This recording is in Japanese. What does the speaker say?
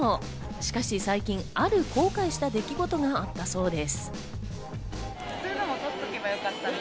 しかし最近、ある後悔した出来事があったそうです。